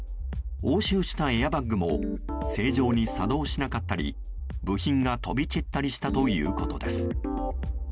押収したエアバッグも正常に作動しなかったり部品が飛び散ったりしたということです。